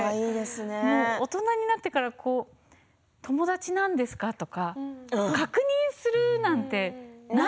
もう大人になってから友達なんですか？とか確認するなんてない。